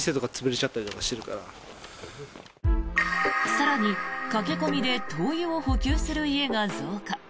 更に、駆け込みで灯油を補給する家が増加。